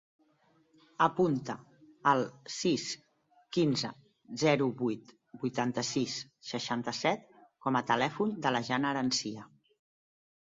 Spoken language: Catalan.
Apunta el sis, quinze, zero, vuit, vuitanta-sis, seixanta-set com a telèfon de la Janna Herencia.